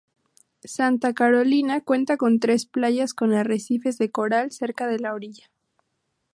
Santa Carolina cuenta con tres playas con arrecifes de coral cerca de la orilla.